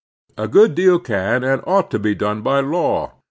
A good deal can and ought to be done by law.